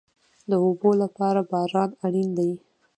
د اوبو لپاره باران اړین دی